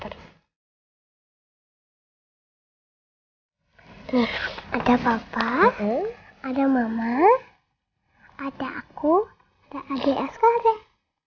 ada papa ada mama ada aku ada adik adik sekarang